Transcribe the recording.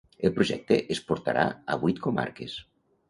El projecte es portarà a vuit comarques.